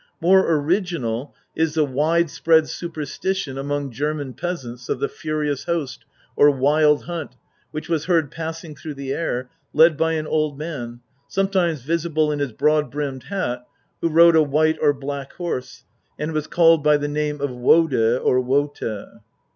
* More original is the wide spread superstition among German peasants of the Furious Host or Wild Hunt which was heard passing through the air, led by an old man, sometimes visible in his broad brimmed hat, who rode a white or black horse, and was called by the name of Wode or Wote.